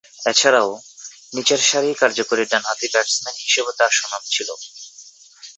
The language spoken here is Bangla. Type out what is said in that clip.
এছাড়াও, নিচেরসারির কার্যকরী ডানহাতি ব্যাটসম্যান হিসেবেও তার সুনাম ছিল।